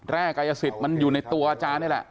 กายสิทธิ์มันอยู่ในตัวอาจารย์นี่แหละ